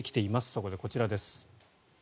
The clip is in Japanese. そこでこちらです。